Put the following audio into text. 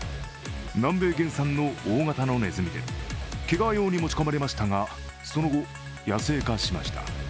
南米原産の大型のネズミで毛皮用に持ち込まれましたがその後、野生化しました。